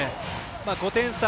５点差